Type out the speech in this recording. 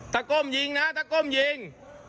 ก้มยิงนะตะก้มยิง